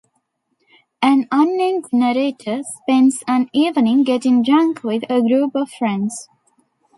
An unnamed narrator spends an evening getting drunk with a group of friends.